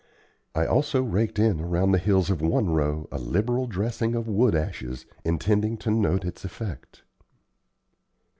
I also raked in around the hills of one row a liberal dressing of wood ashes, intending to note its effect.